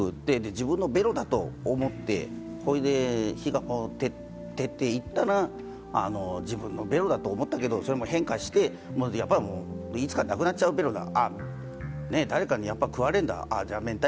自分のベロだと思って、ほいで、日が照っていったら、自分のベロだと思ったけど、変化していつかなくなっちゃうベロだ。